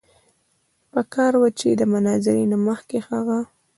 پکار وه چې د مناظرې نه مخکښې هغه